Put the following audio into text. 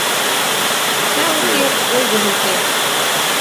Ача уке — ойгыжо уке.